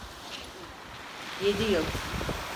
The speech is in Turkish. Yedi yıl.